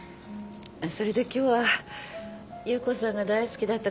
それで今日は夕子さんが大好きだった